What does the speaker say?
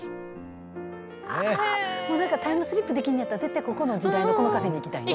あタイムスリップできんねやったら絶対ここの時代のこのカフェに行きたいな。